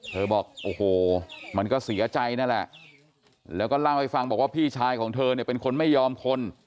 บอกโอ้โหมันก็เสียใจนั่นแหละแล้วก็เล่าให้ฟังบอกว่าพี่ชายของเธอเนี่ยเป็นคนไม่ยอมคน